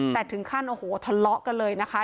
แต่ถึงขั้นโอ้โหทะเลาะกันเลยนะคะ